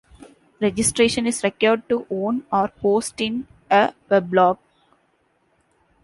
Registration is required to own, or post in, a weblog.